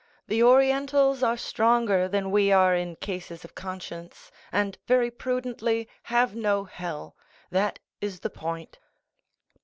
The Orientals are stronger than we are in cases of conscience, and, very prudently, have no hell—that is the point."